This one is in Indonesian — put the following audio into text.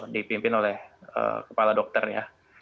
dipimpin oleh kepala dokter ya